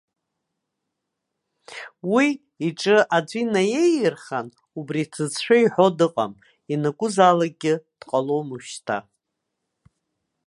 Уи, иҿы аӡәы инаиеирхан, убри аҭыӡшәа иҳәо дыҟам, ианакәызаалакгьы дҟалом уажәшьҭа.